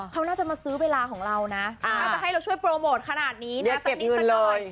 ให้เราช่วยโปรโมทขนาดนี้นะสักนิดหน่อย